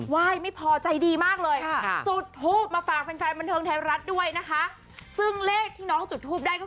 ยไม่พอใจดีมากเลยจุดทูปมาฝากแฟนแฟนบันเทิงไทยรัฐด้วยนะคะซึ่งเลขที่น้องจุดทูปได้ก็คือ